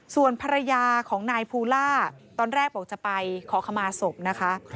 ส่วนภรรยาของนายภูล่าตอนแรกบอกจะไปขอขมาศพนะคะ